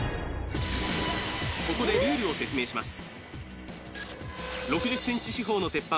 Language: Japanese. ここでルールを説明します